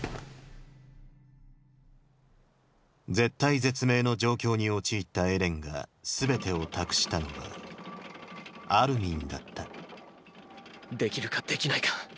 絶体絶命の状況に陥ったエレンが全てを託したのはアルミンだったできるかできないか。